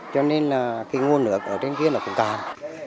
cho nên là cái nguồn nước ở trên kia là cũng cao